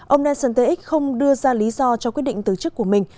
ông teix không đưa ra lý do cho quyết định tử chức của mình